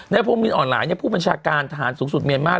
พรมมินอ่อนหลายผู้บัญชาการทหารสูงสุดเมียนมาส